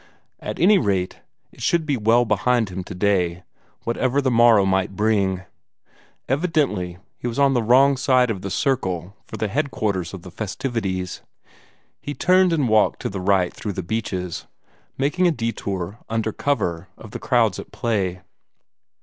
At any rate, it should be well behind him today, whatever the morrow might bring! Evidently he was on the wrong side of the circle for the headquarters of the festivities. He turned and walked to the right through the beeches, making a detour, under cover, of the crowds at play.